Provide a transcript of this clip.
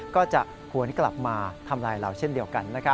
ก็จะหวนกลับมาทำลายเราเช่นเดียวกัน